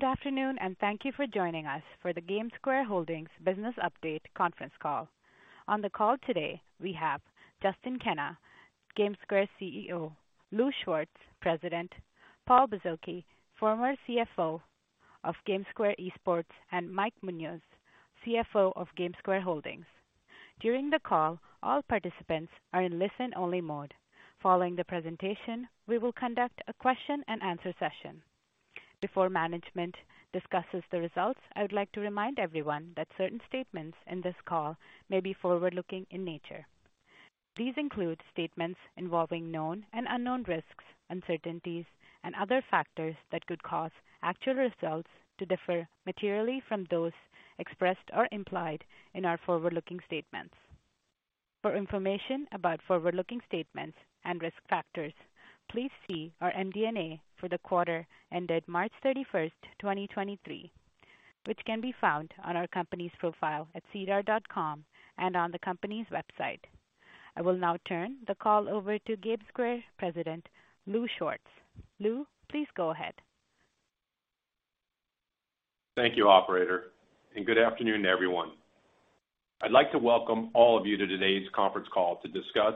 Good afternoon, and thank you for joining us for the GameSquare Holdings Business Update conference call. On the call today, we have Justin Kenna, GameSquare CEO, Lou Schwartz, President, Paul Bozoki, former CFO of GameSquare Esports, and Mike Munoz, CFO of GameSquare Holdings. During the call, all participants are in listen-only mode. Following the presentation, we will conduct a question-and-answer session. Before management discusses the results, I would like to remind everyone that certain statements in this call may be forward-looking in nature. These include statements involving known and unknown risks, uncertainties, and other factors that could cause actual results to differ materially from those expressed or implied in our forward-looking statements. For information about forward-looking statements and risk factors, please see our MD&A for the quarter ended March 31, 2023, which can be found on our company's profile at sedar.com and on the company's website. I will now turn the call over to GameSquare President, Lou Schwartz. Lou, please go ahead. Thank you, operator, and good afternoon to everyone. I'd like to welcome all of you to today's conference call to discuss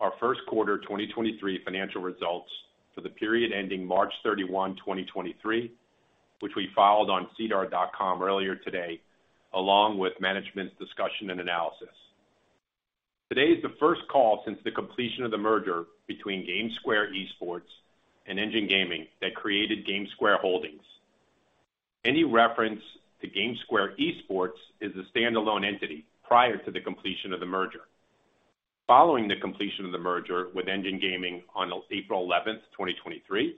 our 1st quarter 2023 financial results for the period ending March 31, 2023, which we filed on sedar.com earlier today, along with Management's Discussion and Analysis. Today is the 1st call since the completion of the merger between GameSquare Esports and Engine Gaming that created GameSquare Holdings. Any reference to GameSquare Esports is a standalone entity prior to the completion of the merger. Following the completion of the merger with Engine Gaming on April 11, 2023,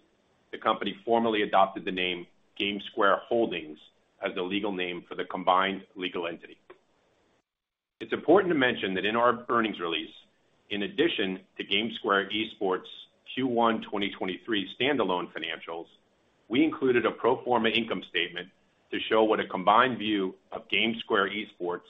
the company formally adopted the name GameSquare Holdings as the legal name for the combined legal entity. It's important to mention that in our earnings release, in addition to GameSquare Esports Q1 2023 standalone financials, we included a pro forma income statement to show what a combined view of GameSquare Esports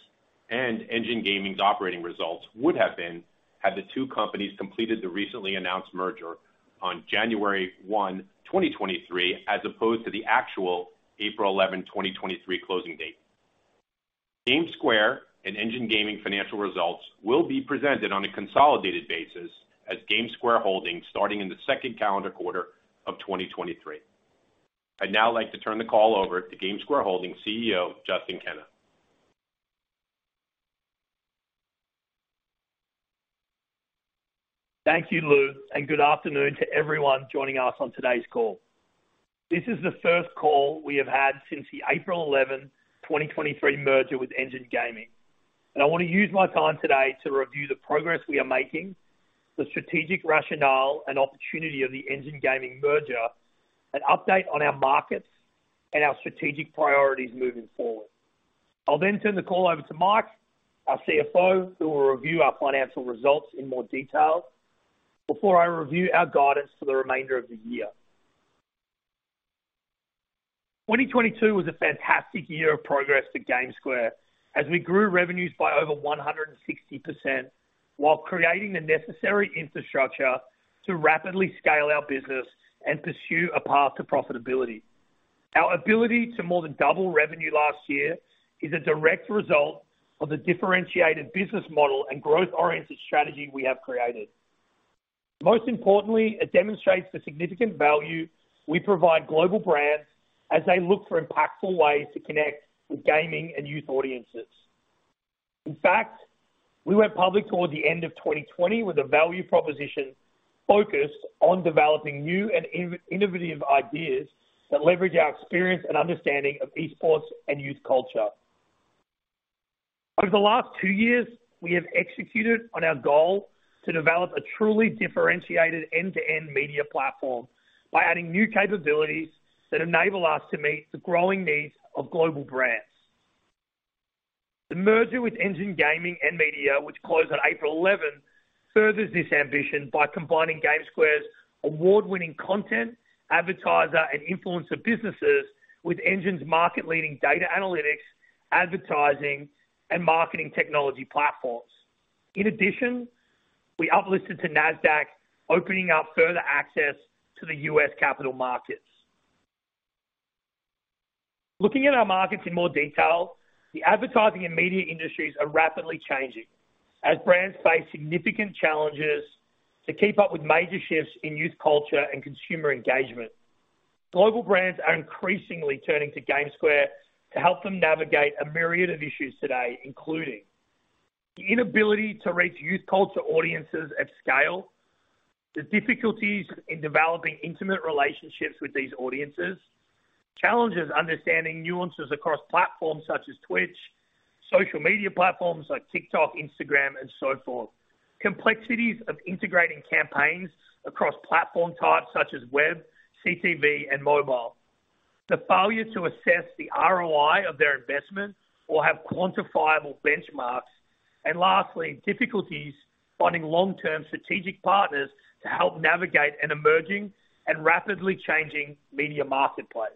and Engine Gaming's operating results would have been had the two companies completed the recently announced merger on January 1, 2023, as opposed to the actual April 11, 2023 closing date. GameSquare and Engine Gaming financial results will be presented on a consolidated basis as GameSquare Holdings starting in the second calendar quarter of 2023. I'd now like to turn the call over to GameSquare Holdings CEO, Justin Kenna. Thank you, Lou, and good afternoon to everyone joining us on today's call. This is the first call we have had since the April 11, 2023 merger with Engine Gaming. I want to use my time today to review the progress we are making, the strategic rationale and opportunity of the Engine Gaming merger, an update on our markets and our strategic priorities moving forward. I'll then turn the call over to Mike, our CFO, who will review our financial results in more detail before I review our guidance for the remainder of the year. 2022 was a fantastic year of progress for GameSquare as we grew revenues by over 160% while creating the necessary infrastructure to rapidly scale our business and pursue a path to profitability. Our ability to more than double revenue last year is a direct result of the differentiated business model and growth-oriented strategy we have created. Most importantly, it demonstrates the significant value we provide global brands as they look for impactful ways to connect with gaming and youth audiences. In fact, we went public toward the end of 2020 with a value proposition focused on developing new and innovative ideas that leverage our experience and understanding of esports and youth culture. Over the last two years, we have executed on our goal to develop a truly differentiated end-to-end media platform by adding new capabilities that enable us to meet the growing needs of global brands. The merger with Engine Gaming and Media, which closed on April 11, furthers this ambition by combining GameSquare's award-winning content, advertiser, and influencer businesses with Engine's market-leading data analytics, advertising, and marketing technology platforms. In addition, we uplisted to Nasdaq, opening up further access to the U.S. capital markets. Looking at our markets in more detail, the advertising and media industries are rapidly changing as brands face significant challenges to keep up with major shifts in youth culture and consumer engagement. Global brands are increasingly turning to GameSquare to help them navigate a myriad of issues today, including the inability to reach youth culture audiences at scale, the difficulties in developing intimate relationships with these audiences, challenges understanding nuances across platforms such as Twitch, social media platforms like TikTok, Instagram, and so forth, complexities of integrating campaigns across platform types such as web, CTV, and mobile, the failure to assess the ROI of their investment or have quantifiable benchmarks, and lastly, difficulties finding long-term strategic partners to help navigate an emerging and rapidly changing media marketplace.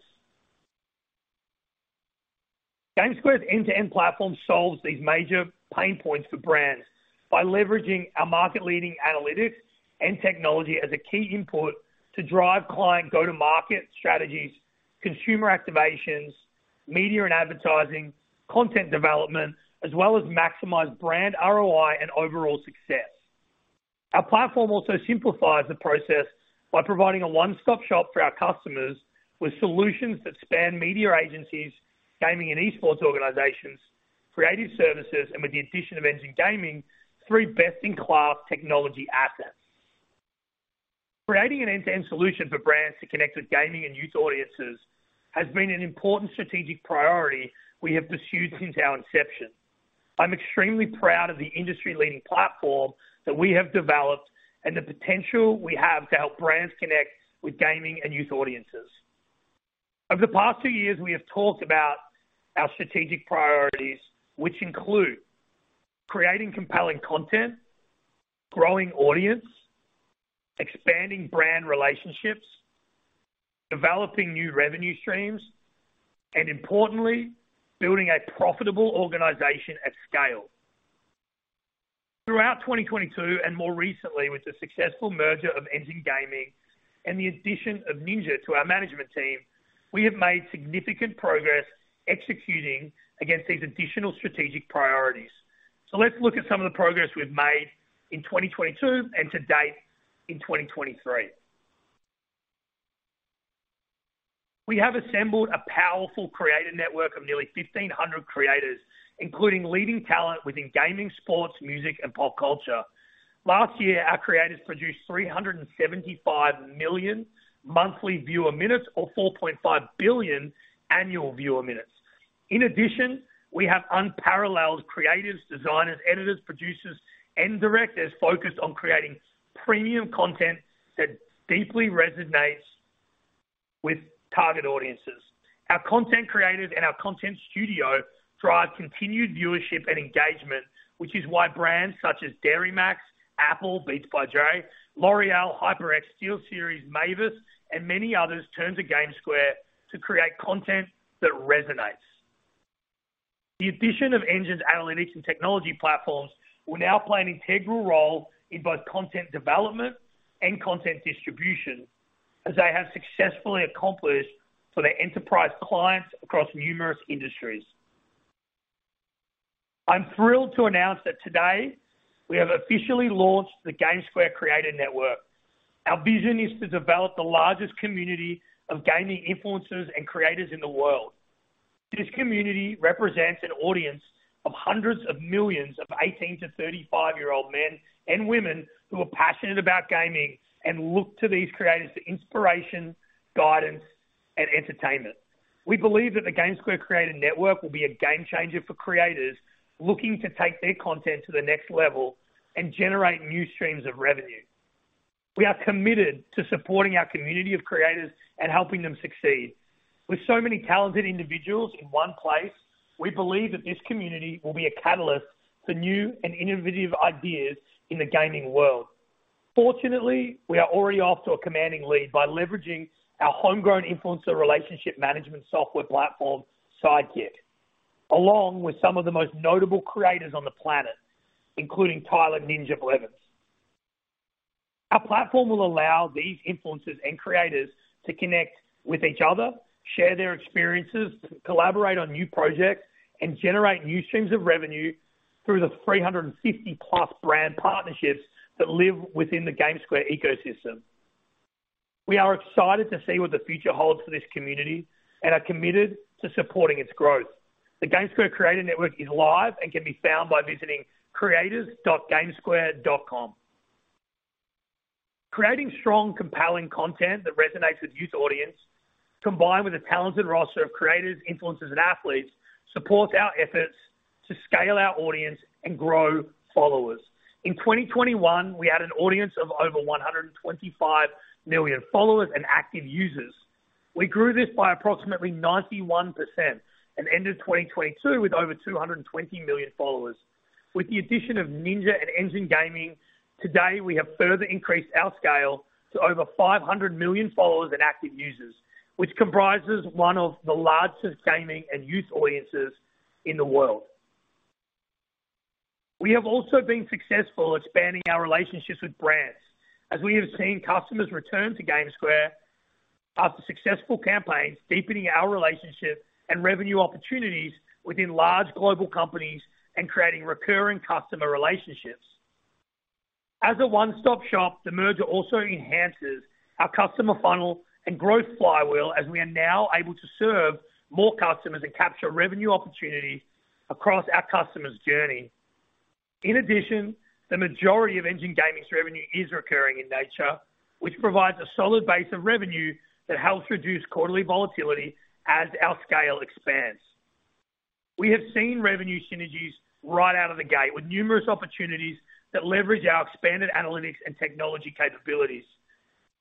GameSquare's end-to-end platform solves these major pain points for brands by leveraging our market-leading analytics and technology as a key input to drive client go-to-market strategies, consumer activations, media and advertising, content development, as well as maximize brand ROI and overall success. Our platform also simplifies the process by providing a one-stop shop for our customers with solutions that span media agencies, gaming, and esports organizations, creative services, and with the addition of Engine Gaming, three best-in-class technology assets. Creating an end-to-end solution for brands to connect with gaming and youth audiences has been an important strategic priority we have pursued since our inception. I'm extremely proud of the industry-leading platform that we have developed and the potential we have to help brands connect with gaming and youth audiences. Over the past two years, we have talked about our strategic priorities, which include creating compelling content, growing audience, expanding brand relationships, developing new revenue streams, and importantly, building a profitable organization at scale. Throughout 2022, more recently with the successful merger of Engine Gaming and the addition of Ninja to our management team, we have made significant progress executing against these additional strategic priorities. Let's look at some of the progress we've made in 2022 and to date in 2023. We have assembled a powerful creative network of nearly 1,500 creators, including leading talent within gaming, sports, music, and pop culture. Last year, our creators produced 375 million monthly viewer minutes or 4.5 billion annual viewer minutes. In addition, we have unparalleled creatives, designers, editors, producers, and directors focused on creating premium content that deeply resonates with target audiences. Our content creators and our content studio drive continued viewership and engagement, which is why brands such as Dairy MAX, Apple, Beats by Dre, L'Oréal, HyperX, SteelSeries, Mavic, and many others turn to GameSquare to create content that resonates. The addition of Engine's analytics and technology platforms will now play an integral role in both content development and content distribution, as they have successfully accomplished for their enterprise clients across numerous industries. I'm thrilled to announce that today we have officially launched the GameSquare Creator Network. Our vision is to develop the largest community of gaming influencers and creators in the world. This community represents an audience of hundreds of millions of 18-35-year-old men and women who are passionate about gaming and look to these creators for inspiration, guidance, and entertainment. We believe that the GameSquare Creator Network will be a game-changer for creators looking to take their content to the next level and generate new streams of revenue. We are committed to supporting our community of creators and helping them succeed. With so many talented individuals in one place, we believe that this community will be a catalyst for new and innovative ideas in the gaming world. Fortunately, we are already off to a commanding lead by leveraging our homegrown influencer relationship management software platform, Sideqik. Along with some of the most notable creators on the planet, including Tyler Ninja Blevins. Our platform will allow these influencers and creators to connect with each other, share their experiences, collaborate on new projects, and generate new streams of revenue through the 350-plus brand partnerships that live within the GameSquare ecosystem. We are excited to see what the future holds for this community and are committed to supporting its growth. The GameSquare Creator Network is live and can be found by visiting creators.gamesquare.com. Creating strong, compelling content that resonates with youth audience, combined with a talented roster of creators, influencers, and athletes, supports our efforts to scale our audience and grow followers. In 2021, we had an audience of over 125 million followers and active users. We grew this by approximately 91% and ended 2022 with over 220 million followers. With the addition of Ninja and Engine Gaming, today we have further increased our scale to over 500 million followers and active users, which comprises one of the largest gaming and youth audiences in the world. We have also been successful expanding our relationships with brands as we have seen customers return to GameSquare after successful campaigns, deepening our relationship and revenue opportunities within large global companies and creating recurring customer relationships. As a one-stop shop, the merger also enhances our customer funnel and growth flywheel as we are now able to serve more customers and capture revenue opportunities across our customers' journey. The majority of Engine Gaming's revenue is recurring in nature, which provides a solid base of revenue that helps reduce quarterly volatility as our scale expands. We have seen revenue synergies right out of the gate with numerous opportunities that leverage our expanded analytics and technology capabilities.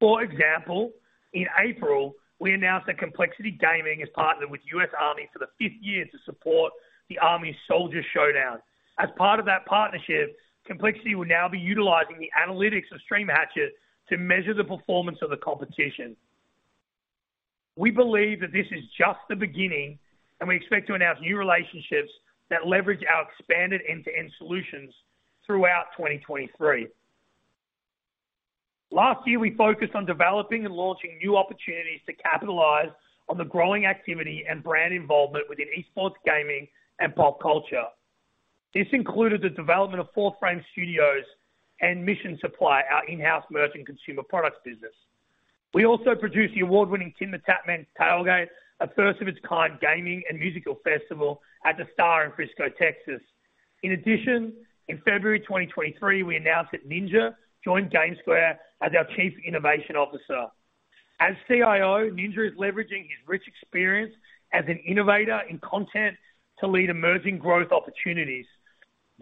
In April, we announced that Complexity Gaming has partnered with U.S. Army for the fifth year to support the Army's Soldier Showdown. As part of that partnership, Complexity will now be utilizing the analytics of Stream Hatchet to measure the performance of the competition. We believe that this is just the beginning, and we expect to announce new relationships that leverage our expanded end-to-end solutions throughout 2023. Last year, we focused on developing and launching new opportunities to capitalize on the growing activity and brand involvement within esports gaming and pop culture. This included the development of Fourth Frame Studios and Mission Supply, our in-house merchant consumer products business. We also produced the award-winning TimTheTatman's Tailgate, a first of its kind gaming and musical festival at The Star in Frisco, Texas. In addition, in February 2023, we announced that Ninja joined GameSquare as our Chief Innovation Officer. As CIO, Ninja is leveraging his rich experience as an innovator in content to lead emerging growth opportunities.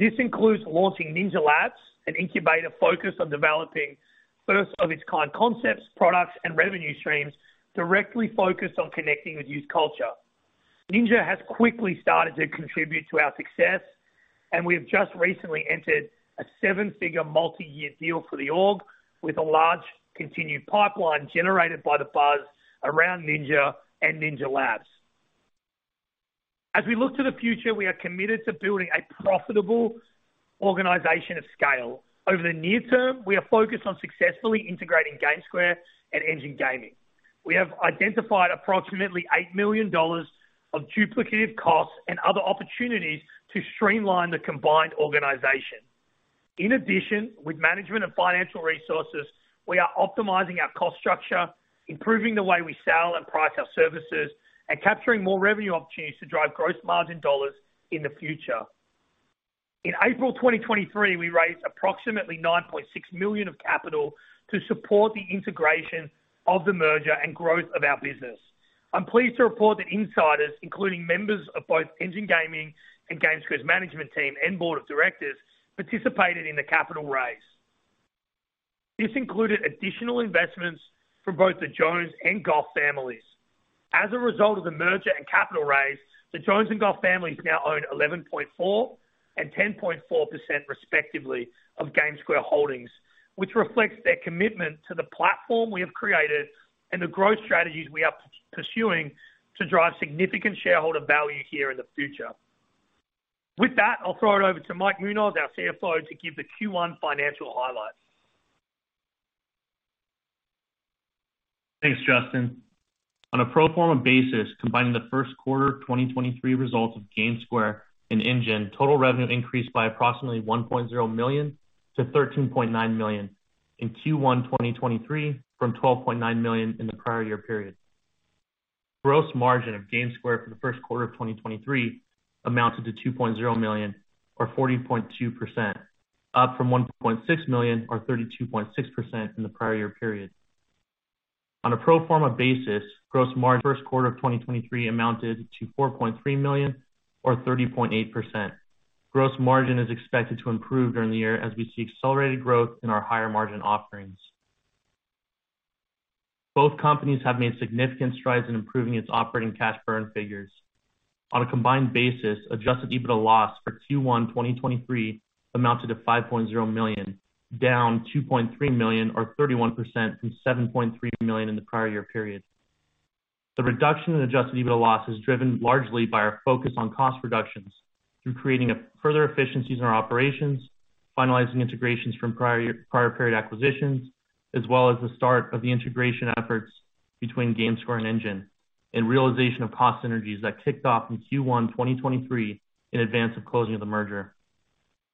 This includes launching Ninja Labs, an incubator focused on developing first of its kind concepts, products and revenue streams directly focused on connecting with youth culture. Ninja has quickly started to contribute to our success, and we have just recently entered a 7-figure multi-year deal for the org with a large continued pipeline generated by the buzz around Ninja and Ninja Labs. As we look to the future, we are committed to building a profitable organization of scale. Over the near term, we are focused on successfully integrating GameSquare and Engine Gaming. We have identified approximately $8 million of duplicative costs and other opportunities to streamline the combined organization. In addition, with management and financial resources, we are optimizing our cost structure, improving the way we sell and price our services, and capturing more revenue opportunities to drive gross margin dollars in the future. In April 2023, we raised approximately $9.6 million of capital to support the integration of the merger and growth of our business. I'm pleased to report that insiders, including members of both Engine Gaming and GameSquare's management team and board of directors, participated in the capital raise. This included additional investments from both the Jones and Goff families. As a result of the merger and capital raise, the Jones and Goff families now own 11.4% and 10.4%, respectively, of GameSquare Holdings, which reflects their commitment to the platform we have created and the growth strategies we are pursuing to drive significant shareholder value here in the future. With that, I'll throw it over to Mike Munoz, our CFO, to give the Q1 financial highlights. Thanks, Justin. On a pro forma basis, combining the first quarter of 2023 results of GameSquare and Engine, total revenue increased by approximately $1.0 million-$13.9 million in Q1 2023 from $12.9 million in the prior year period. Gross margin of GameSquare for the first quarter of 2023 amounted to $2.0 million or 40.2%, up from $1.6 million or 32.6% in the prior year period. On a pro forma basis, gross margin first quarter of 2023 amounted to $4.3 million or 30.8%. Gross margin is expected to improve during the year as we see accelerated growth in our higher margin offerings. Both companies have made significant strides in improving its operating cash burn figures. On a combined basis, adjusted EBITDA loss for Q1 2023 amounted to $5.0 million, down $2.3 million or 31% from $7.3 million in the prior year period. The reduction in adjusted EBITDA loss is driven largely by our focus on cost reductions through creating further efficiencies in our operations, finalizing integrations from prior period acquisitions, as well as the start of the integration efforts between GameSquare and Engine, and realization of cost synergies that kicked off in Q1 2023 in advance of closing of the merger.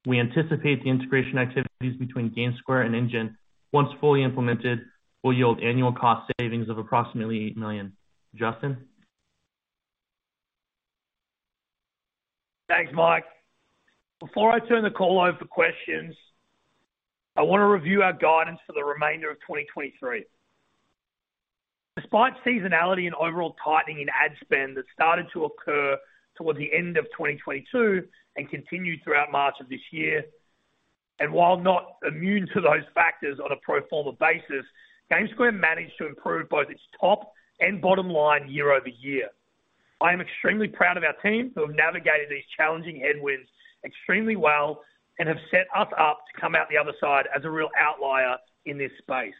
We anticipate the integration activities between GameSquare and Engine, once fully implemented, will yield annual cost savings of approximately $8 million. Justin? Thanks, Mike. Before I turn the call over for questions, I want to review our guidance for the remainder of 2023. Despite seasonality and overall tightening in ad spend that started to occur towards the end of 2022 and continued throughout March of this year, while not immune to those factors on a pro forma basis, GameSquare managed to improve both its top and bottom line year-over-year. I am extremely proud of our team who have navigated these challenging headwinds extremely well and have set us up to come out the other side as a real outlier in this space.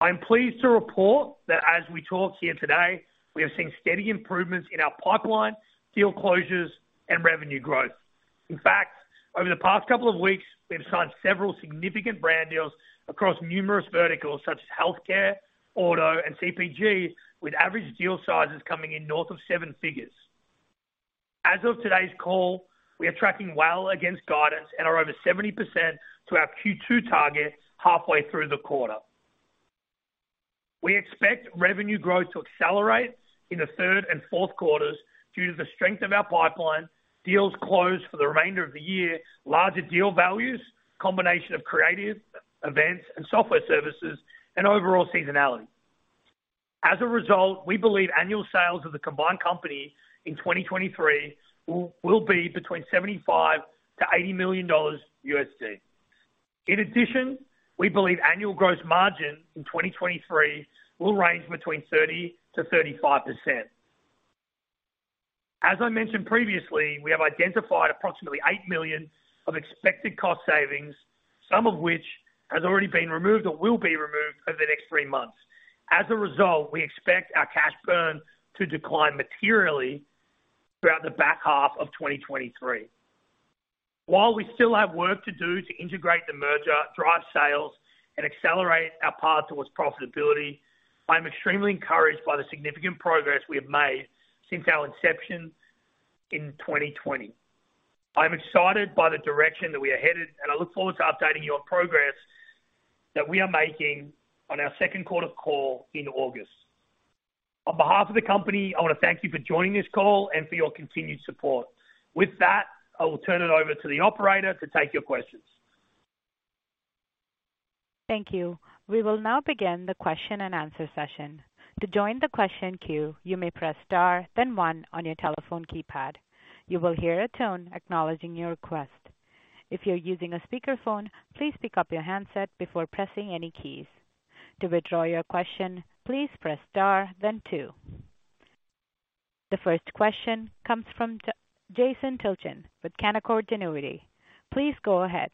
I am pleased to report that as we talk here today, we have seen steady improvements in our pipeline, deal closures and revenue growth. Over the past couple of weeks, we have signed several significant brand deals across numerous verticals such as healthcare, auto, and CPG, with average deal sizes coming in north of seven figures. As of today's call, we are tracking well against guidance and are over 70% to our Q2 targets halfway through the quarter. We expect revenue growth to accelerate in the third and fourth quarters due to the strength of our pipeline, deals closed for the remainder of the year, larger deal values, combination of creative, events and software services and overall seasonality. As a result, we believe annual sales of the combined company in 2023 will be between $75 million-$80 million. In addition, we believe annual gross margin in 2023 will range between 30%-35%. As I mentioned previously, we have identified approximately $8 million of expected cost savings, some of which has already been removed or will be removed over the next three months. As a result, we expect our cash burn to decline materially throughout the back half of 2023. While we still have work to do to integrate the merger, drive sales, and accelerate our path towards profitability, I'm extremely encouraged by the significant progress we have made since our inception in 2020. I'm excited by the direction that we are headed, and I look forward to updating your progress that we are making on our second quarter call in August. On behalf of the company, I want to thank you for joining this call and for your continued support. With that, I will turn it over to the operator to take your questions. Thank you. We will now begin the question-and-answer session. To join the question queue, you may press star, then one on your telephone keypad. You will hear a tone acknowledging your request. If you're using a speakerphone, please pick up your handset before pressing any keys. To withdraw your question, please press star then two. The first question comes from Jason Tilchen with Canaccord Genuity. Please go ahead.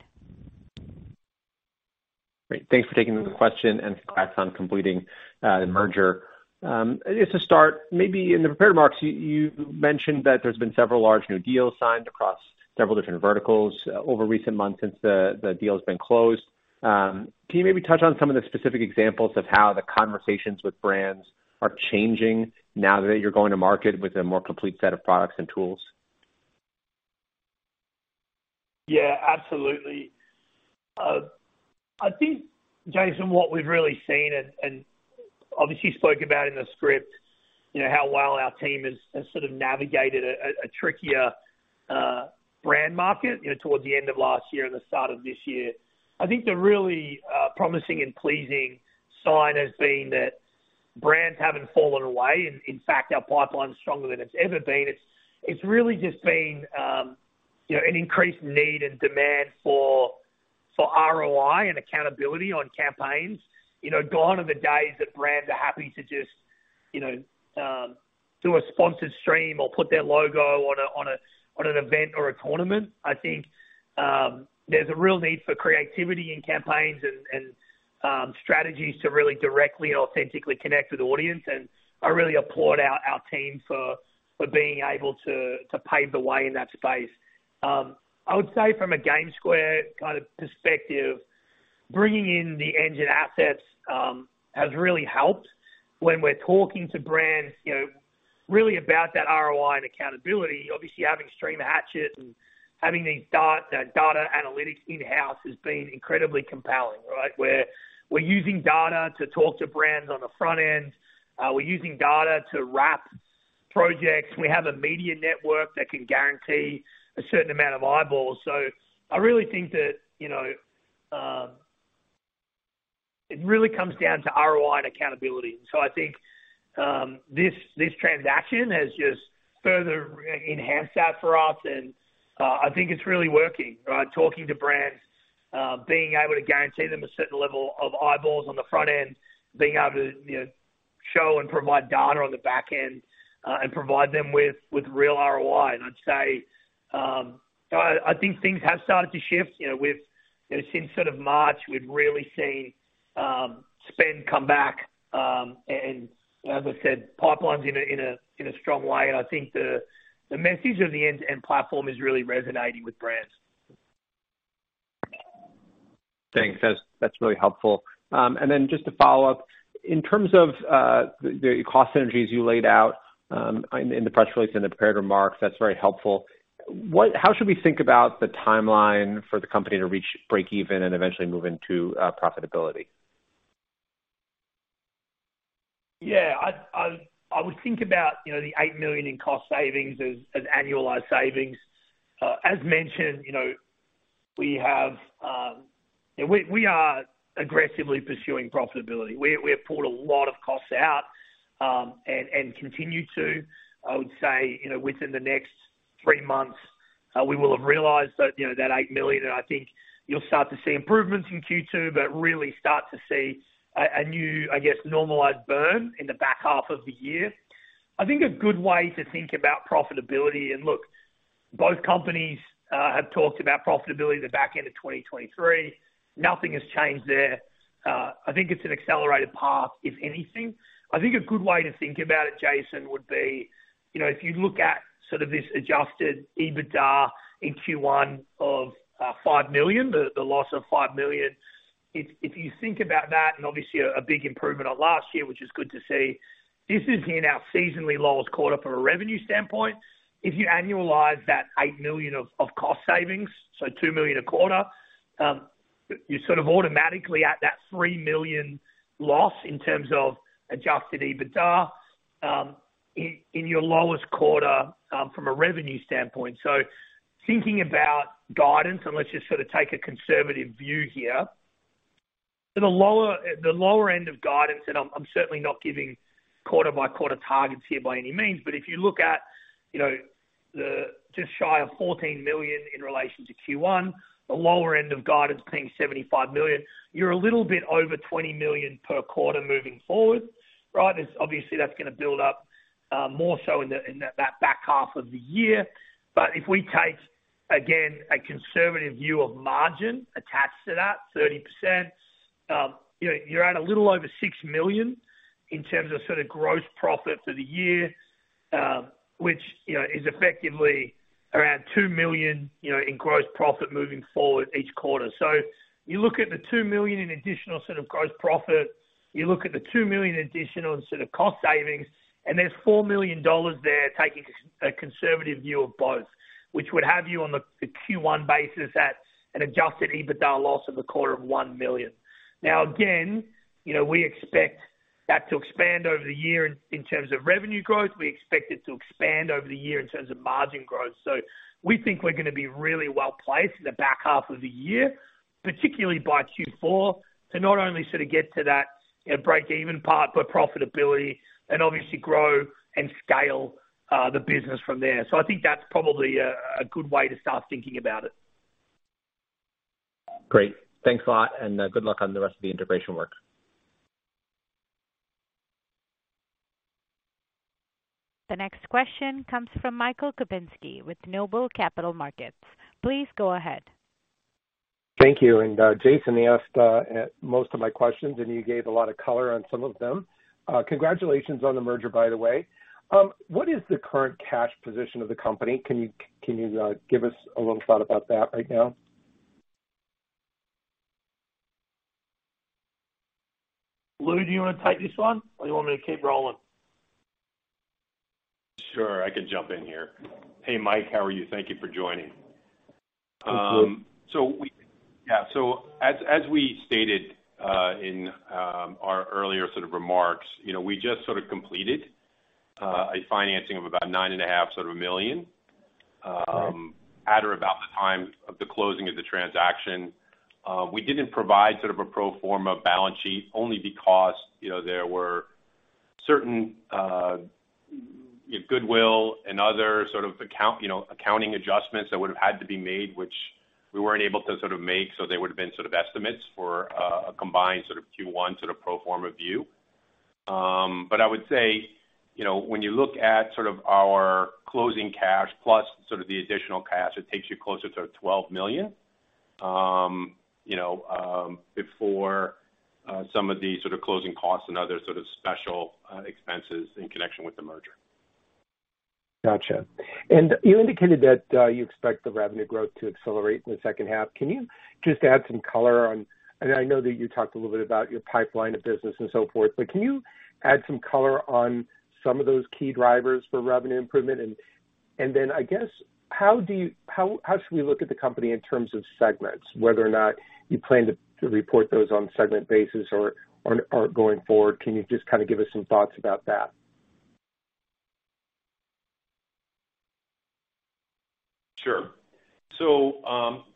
Great. Thanks for taking the question and congrats on completing the merger. Just to start, maybe in the prepared remarks, you mentioned that there's been several large new deals signed across several different verticals over recent months since the deal has been closed. Can you maybe touch on some of the specific examples of how the conversations with brands are changing now that you're going to market with a more complete set of products and tools? Yeah, absolutely. I think, Jason, what we've really seen and obviously spoke about in the script, you know, how well our team has sort of navigated a trickier brand market, you know, towards the end of last year and the start of this year. I think the really promising and pleasing sign has been that brands haven't fallen away. In fact, our pipeline is stronger than it's ever been. It's really just been, you know, an increased need and demand for ROI and accountability on campaigns. You know, gone are the days that brands are happy to just do a sponsored stream or put their logo on an event or a tournament. I think there's a real need for creativity in campaigns and strategies to really directly and authentically connect with audience. I really applaud our team for being able to pave the way in that space. I would say from a GameSquare kind of perspective, bringing in the Engine assets has really helped when we're talking to brands, you know, really about that ROI and accountability. Obviously, having Stream Hatchet and having these data analytics in-house has been incredibly compelling, right? We're using data to talk to brands on the front end. We're using data to wrap projects. We have a media network that can guarantee a certain amount of eyeballs. I really think that, you know, it really comes down to ROI and accountability. I think this transaction has just further enhanced that for us. I think it's really working, right? Talking to brands, being able to guarantee them a certain level of eyeballs on the front end, being able to, you know, show and provide data on the back end, and provide them with real ROI. I'd say, I think things have started to shift. You know, since sort of March, we've really seen spend come back, and as I said, pipelines in a strong way. I think the message of the end-to-end platform is really resonating with brands. Thanks. That's really helpful. Just to follow up, in terms of the cost synergies you laid out in the press release and the prepared remarks, that's very helpful. How should we think about the timeline for the company to reach breakeven and eventually move into profitability? I would think about, you know, the $8 million in cost savings as annualized savings. As mentioned, you know, we have. We are aggressively pursuing profitability. We have pulled a lot of costs out and continue to. I would say, you know, within the next three months, we will have realized that $8 million, and I think you'll start to see improvements in Q2, but really start to see a new, I guess, normalized burn in the back half of the year. I think a good way to think about profitability, and look, both companies, have talked about profitability at the back end of 2023. Nothing has changed there. I think it's an accelerated path, if anything. I think a good way to think about it, Jason, would be, you know, if you look at sort of this adjusted EBITDA in Q1 of $5 million, the loss of $5 million. If you think about that and obviously a big improvement on last year, which is good to see, this is in our seasonally lowest quarter from a revenue standpoint. If you annualize that $8 million of cost savings, so $2 million a quarter, you're sort of automatically at that $3 million loss in terms of adjusted EBITDA in your lowest quarter from a revenue standpoint. Thinking about guidance, let's just sort of take a conservative view here. The lower end of guidance, I'm certainly not giving quarter-by-quarter targets here by any means. If you look at, you know. The just shy of $14 million in relation to Q1, the lower end of guidance being $75 million. You're a little bit over $20 million per quarter moving forward, right? Obviously, that's gonna build up more so in the, in that back half of the year. If we take, again, a conservative view of margin attached to that 30%, you know, you're at a little over $6 million in terms of sort of gross profit for the year, which, you know, is effectively around $2 million, you know, in gross profit moving forward each quarter. You look at the $2 million in additional sort of gross profit, you look at the $2 million additional in sort of cost savings, and there's $4 million there taking a conservative view of both, which would have you on the Q1 basis at an adjusted EBITDA loss of a quarter of one million. Again, you know, we expect that to expand over the year in terms of revenue growth. We expect it to expand over the year in terms of margin growth. We think we're gonna be really well placed in the back half of the year, particularly by Q4, to not only sort of get to that, you know, break-even part, but profitability and obviously grow and scale the business from there. I think that's probably a good way to start thinking about it. Great. Thanks a lot and good luck on the rest of the integration work. The next question comes from Michael Kupinski with Noble Capital Markets. Please go ahead. Thank you. Jason asked most of my questions, and you gave a lot of color on some of them. Congratulations on the merger, by the way. What is the current cash position of the company? Can you give us a little thought about that right now? Lou, do you wanna take this one, or you want me to keep rolling? Sure, I can jump in here. Hey, Mike, how are you? Thank you for joining. Hi, Lou. As we stated in our earlier sort of remarks, you know, we just completed a financing of about $ nine and a half million. Great. At or about the time of the closing of the transaction. We didn't provide sort of a pro forma balance sheet only because, you know, there were certain goodwill and other sort of accounting adjustments that would've had to be made, which we weren't able to sort of make. They would've been sort of estimates for a combined sort of Q1 sort of pro forma view. I would say, you know, when you look at sort of our closing cash plus sort of the additional cash, it takes you closer to $12 million before some of the sort of closing costs and other sort of special expenses in connection with the merger. Gotcha. You indicated that you expect the revenue growth to accelerate in the second half. Can you just add some color on. And I know that you talked a little bit about your pipeline of business and so forth, but can you add some color on some of those key drivers for revenue improvement? Then, I guess, how should we look at the company in terms of segments, whether or not you plan to report those on segment basis or going forward? Can you just kinda give us some thoughts about that? Sure.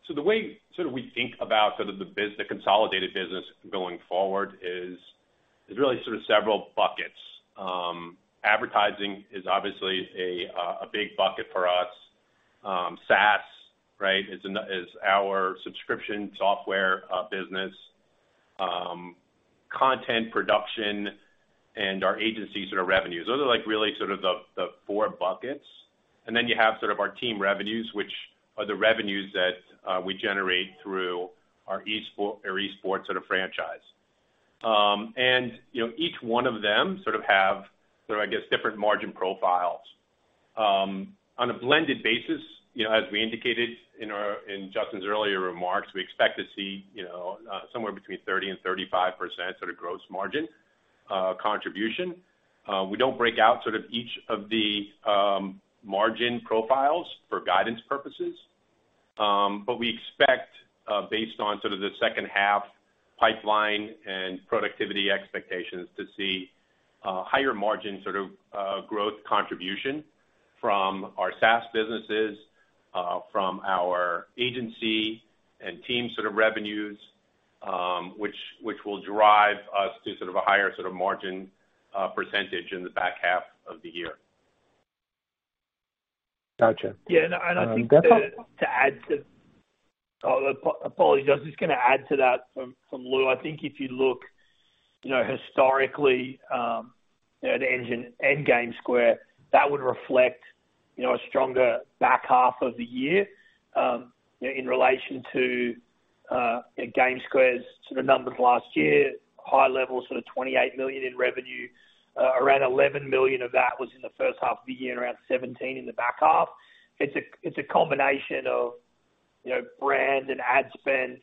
The way we think about the consolidated business going forward is really several buckets. Advertising is obviously a big bucket for us. SaaS is our subscription software business, content production and our agency revenues. Those are really the four buckets. You have our team revenues, which are the revenues that we generate through our Esports franchise. You know, each one of them have, I guess, different margin profiles. On a blended basis, you know, as we indicated in Justin's earlier remarks, we expect to see, you know, somewhere between 30%-35% gross margin contribution. We don't break out sort of each of the margin profiles for guidance purposes. We expect, based on sort of the second half pipeline and productivity expectations to see higher margin sort of growth contribution from our SaaS businesses, from our agency and team sort of revenues, which will drive us to sort of a higher sort of margin percentage in the back half of the year. Gotcha. Apologies. I was just gonna add to that from Lou. I think if you look, you know, historically, at Engine and GameSquare, that would reflect, you know, a stronger back half of the year in relation to GameSquare's sort of numbers last year. High levels sort of $28 million in revenue. Around $11 million of that was in the first half of the year and around $17 million in the back half. It's a combination of, you know, brand and ad spend.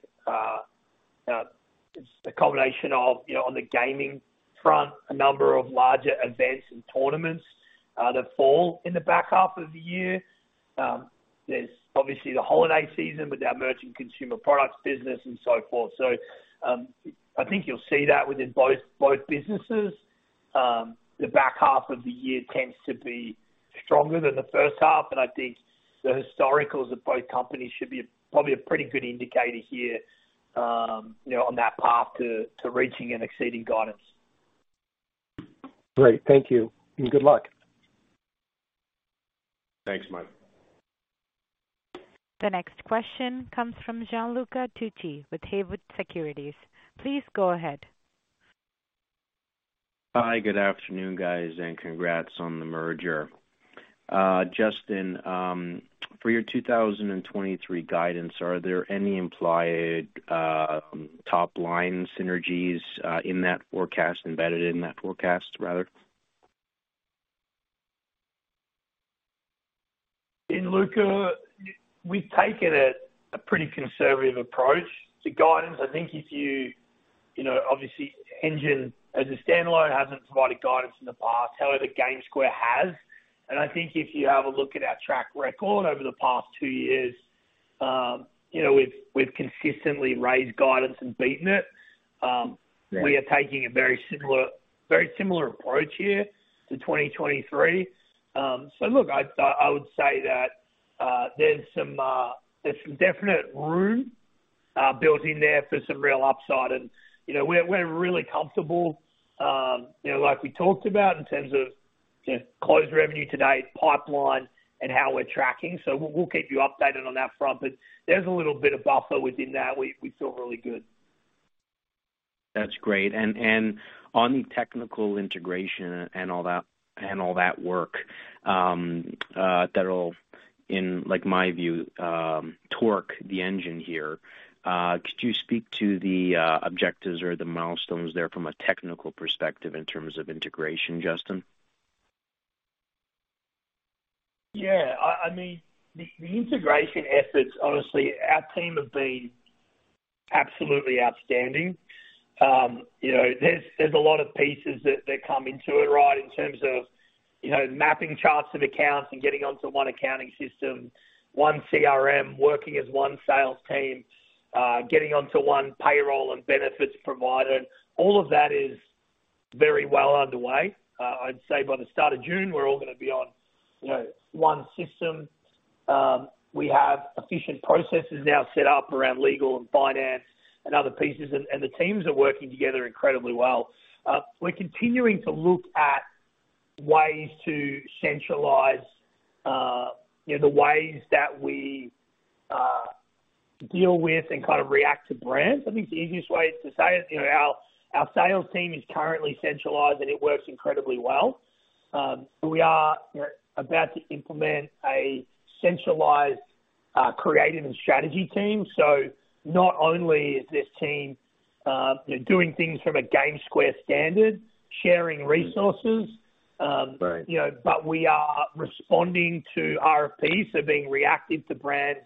It's a combination of, you know, on the gaming front, a number of larger events and tournaments that fall in the back half of the year. There's obviously the holiday season with our merchant consumer products business and so forth. I think you'll see that within both businesses. The back half of the year tends to be stronger than the first half. I think the historicals of both companies should be probably a pretty good indicator here, you know, on that path to reaching and exceeding guidance. Great. Thank you, and good luck. Thanks, Mike. The next question comes from Gianluca Tucci with Haywood Securities. Please go ahead. Hi, good afternoon, guys, and congrats on the merger. Justin, for your 2023 guidance, are there any implied, top-line synergies, in that forecast? Embedded in that forecast rather? Gianluca, we've taken a pretty conservative approach to guidance. I think if you know, obviously Engine as a standalone hasn't provided guidance in the past. However, GameSquare has. I think if you have a look at our track record over the past two years, you know, we've consistently raised guidance and beaten it. We are taking a very similar approach here to 2023. Look, I would say that there's some definite room built in there for some real upside and, you know, we're really comfortable, you know, like we talked about in terms of, you know, closed revenue today, pipeline and how we're tracking. We'll keep you updated on that front. There's a little bit of buffer within that. We feel really good. That's great. On technical integration and all that work, that'll in like my view, torque the engine here. Could you speak to the objectives or the milestones there from a technical perspective in terms of integration, Justin? I mean the integration efforts, honestly, our team have been absolutely outstanding. You know, there's a lot of pieces that come into it, right? In terms of, you know, mapping charts of accounts and getting onto one accounting system, one CRM, working as one sales team, getting onto one payroll and benefits provider. All of that is very well underway. I'd say by the start of June, we're all gonna be on, you know, one system. We have efficient processes now set up around legal and finance and other pieces, and the teams are working together incredibly well. We're continuing to look at ways to centralize, you know, the ways that we deal with and kind of react to brands. I think the easiest way is to say it, you know, our sales team is currently centralized. It works incredibly well. We are, you know, about to implement a centralized, creative and strategy team. Not only is this team, you know, doing things from a GameSquare standard, sharing resources. We are responding to RFPs, so being reactive to brands,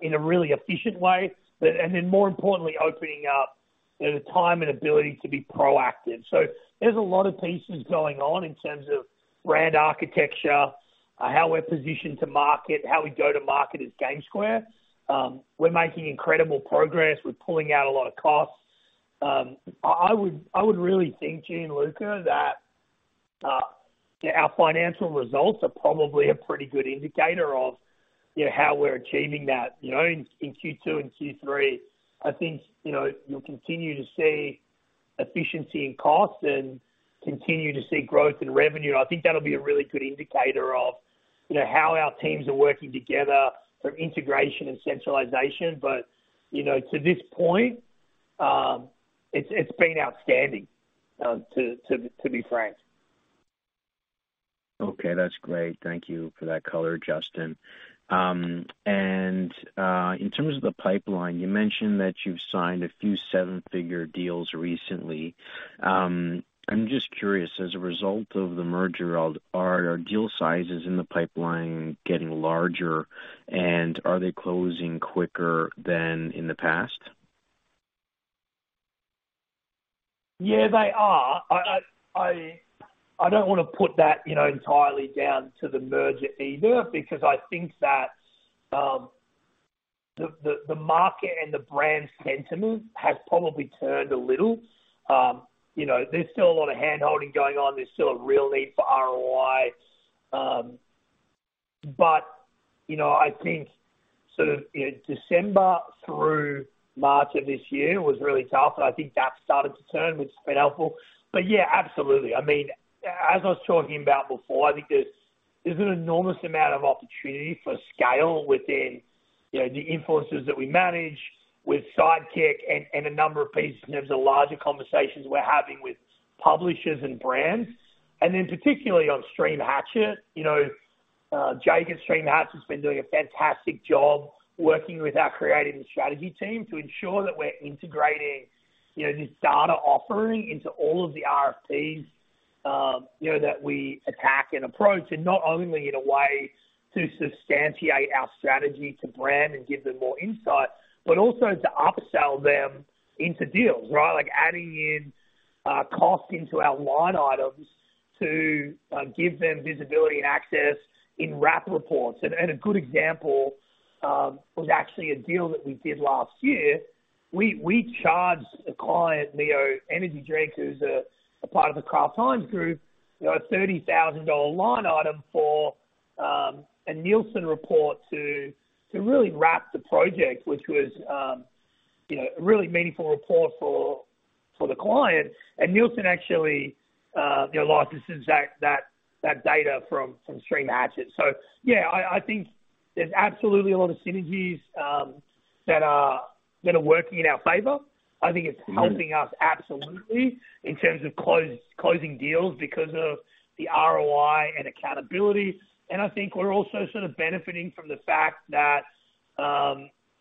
in a really efficient way. More importantly, opening up the time and ability to be proactive. There's a lot of pieces going on in terms of brand architecture, how we're positioned to market, how we go to market as GameSquare. We're making incredible progress. We're pulling out a lot of costs. I would really think, Gianluca, that our financial results are probably a pretty good indicator of, you know, how we're achieving that, you know? In Q2 and Q3, I think, you know, you'll continue to see efficiency in costs and continue to see growth in revenue. I think that'll be a really good indicator of, you know, how our teams are working together from integration and centralization. You know, to this point, it's been outstanding, to be frank. Okay. That's great. Thank you for that color, Justin. In terms of the pipeline, you mentioned that you've signed a few seven-figure deals recently. I'm just curious, as a result of the merger, are deal sizes in the pipeline getting larger and are they closing quicker than in the past? Yeah, they are. I don't wanna put that, you know, entirely down to the merger either, because I think that the market and the brand sentiment has probably turned a little. You know, there's still a lot of handholding going on. There's still a real need for ROI. You know, I think sort of, you know, December through March of this year was really tough, and I think that started to turn, which has been helpful. Yeah, absolutely. I mean, as I was talking about before, I think there's an enormous amount of opportunity for scale within, you know, the influencers that we manage with Sideqik and a number of pieces. There's larger conversations we're having with publishers and brands. Particularly on Stream Hatchet, you know, Jake at Stream Hatchet has been doing a fantastic job working with our creative and strategy team to ensure that we're integrating, you know, this data offering into all of the RFPs, you know, that we attack and approach. Not only in a way to substantiate our strategy to brand and give them more insight, but also to upsell them into deals, right? Like adding in cost into our line items to give them visibility and access in wrap reports. A good example was actually a deal that we did last year. We charged a client, MiO Energy Drink, who's a part of the Kraft Heinz group, you know, a $30,000 line item for a Nielsen report to really wrap the project, which was. You know, a really meaningful report for the client. Nielsen actually, you know, licenses that data from Stream Hatchet. Yeah, I think there's absolutely a lot of synergies that are working in our favor. I think it's helping us absolutely in terms of closing deals because of the ROI and accountability. I think we're also sort of benefiting from the fact that,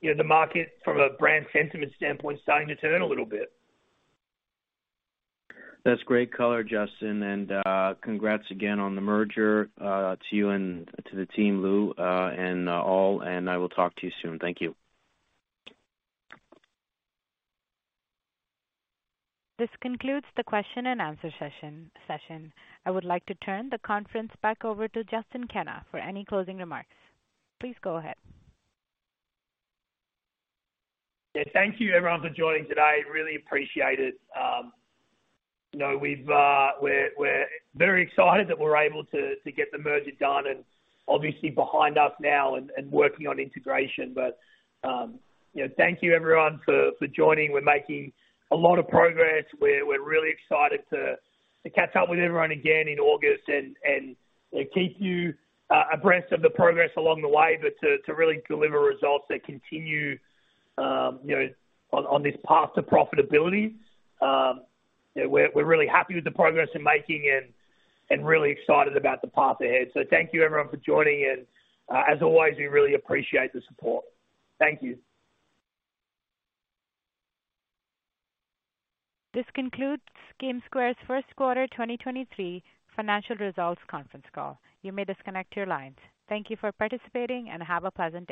you know, the market from a brand sentiment standpoint is starting to turn a little bit. That's great color, Justin. Congrats again on the merger, to you and to the team, Lou, and all. I will talk to you soon. Thank you. This concludes the question and answer session. I would like to turn the conference back over to Justin Kenna for any closing remarks. Please go ahead. Yeah. Thank you everyone for joining today. Really appreciate it. You know, we're very excited that we're able to get the merger done and obviously behind us now and working on integration. You know, thank you everyone for joining. We're making a lot of progress. We're really excited to catch up with everyone again in August and, you know, keep you abreast of the progress along the way, but to really deliver results that continue, you know, on this path to profitability. You know, we're really happy with the progress we're making and really excited about the path ahead. Thank you everyone for joining and as always, we really appreciate the support. Thank you. This concludes GameSquare's first quarter 2023 financial results conference call. You may disconnect your lines. Thank you for participating and have a pleasant day.